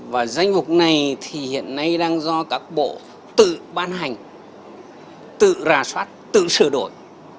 và danh mục này thì hiện nay đang do các bộ tự ban hành tự rà soát tự sửa đổi